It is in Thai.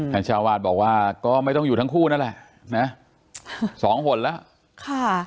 ท่านเจ้าวาดบอกว่าก็ไม่ต้องอยู่ทั้งคู่นั่นแหละนะสองหนแล้วค่ะ